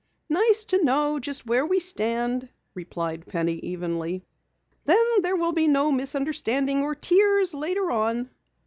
"Nice to know just where we stand," replied Penny evenly. "Then there will be no misunderstanding or tears later on."